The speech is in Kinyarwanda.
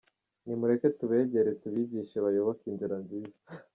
Nimureke tubegere tubigishe bayoboke inzira nziza.